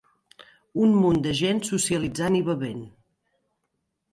Un munt de gent socialitzant i bevent.